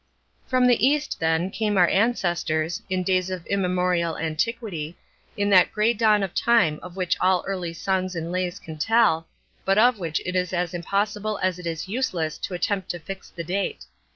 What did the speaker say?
From the East, then, came our ancestors, in days of immemorial antiquity, in that gray dawn of time of which all early songs and lays can tell, but of which it is as impossible as it is useless to attempt to fix the date.